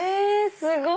すごい！